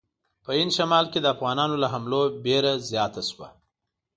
په هند شمال کې د افغانانو له حملو وېره زیاته شوه.